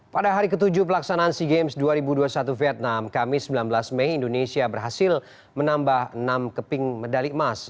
pada hari ketujuh pelaksanaan sea games dua ribu dua puluh satu vietnam kamis sembilan belas mei indonesia berhasil menambah enam keping medali emas